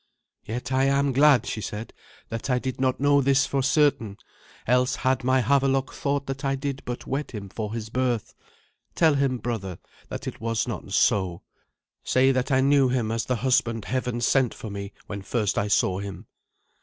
"Yet I am glad," she said, "that I did not know this for certain, else had my Havelok thought that I did but wed him for his birth. Tell him, brother, that it was not so; say that I knew him as the husband Heaven sent for me when first I saw him."